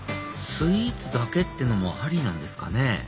スイーツだけってのもありなんですかね？